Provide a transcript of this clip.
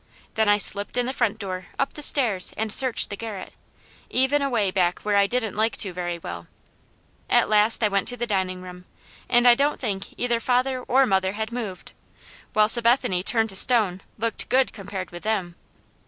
Then I slipped in the front door, up the stairs, and searched the garret, even away back where I didn't like to very well. At last I went to the dining room, and I don't think either father or mother had moved, while Sabethany turned to stone looked good compared with them.